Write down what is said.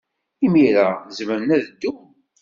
Imir-a, zemren ad ddun.